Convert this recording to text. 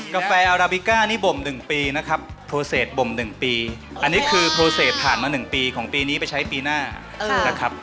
กาแฟอาราบิก้านี่บ่ม๑ปีนะครับโปรเศษบ่ม๑ปีอันนี้คือโปรเศษผ่านมา๑ปีของปีนี้ไปใช้ปีหน้านะครับ